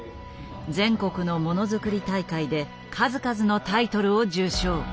全国のものづくり大会で数々のタイトルを受賞。